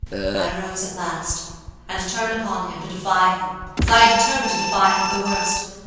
I rose at last, and turned upon him to defy him, as I had determined to defy him at the worst.